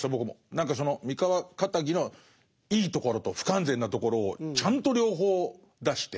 何かその三河かたぎのいいところと不完全なところをちゃんと両方出して。